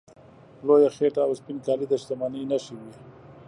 لویه خېټه او سپین کالي د شتمنۍ نښې وې.